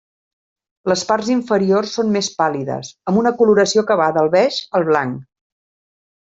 Les parts inferiors són més pàl·lides, amb una coloració que va del beix al blanc.